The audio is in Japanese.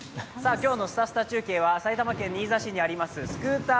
今日の「すたすた中継」は埼玉県新座市にありますスクーター